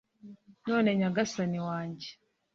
none nyagasani wanjye